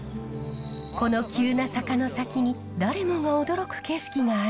この急な坂の先に誰もが驚く景色があるといいます。